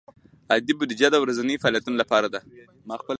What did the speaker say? عادي بودیجه د ورځنیو فعالیتونو لپاره ده.